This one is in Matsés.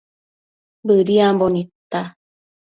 Bëdiambo nidta